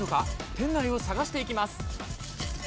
店内を探していきます。